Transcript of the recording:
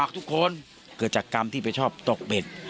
เกิดจากกรรมที่เป็นชอบตกเบ็ด